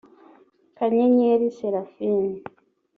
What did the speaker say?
Kanyenyeri Seraphine